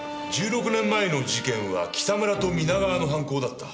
１６年前の事件は北村と皆川の犯行だった。